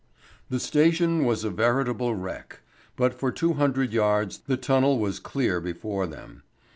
The station was a veritable wreck; but for two hundred yards the tunnel was clear before them.